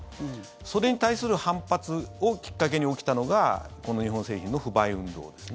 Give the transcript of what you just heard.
それに対する反発をきっかけに起きたのがこの日本製品の不買運動ですね。